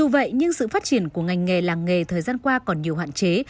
vậy nhưng sự phát triển của ngành nghề làng nghề thời gian qua còn nhiều hạn chế